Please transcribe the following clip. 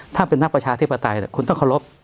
ถ้าเป็นนักประชาธิปไตยคุณต้องเคารพ